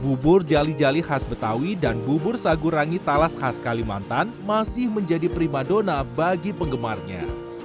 bubur jali jali khas betawi dan bubur sagu rangi talas khas kalimantan masih menjadi prima dona bagi penggemarnya